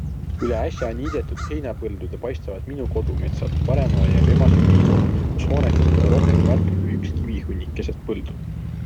Üle äsja niidetud heinapõldude paistavad minu kodumetsad, paremale jääb ema sünnikoht, kus hoonetest pole rohkem märke kui üks kivihunnik keset põldu.